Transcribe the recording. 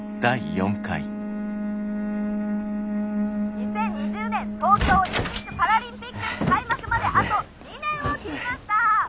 「２０２０年東京オリンピックパラリンピック開幕まであと２年を切りました」。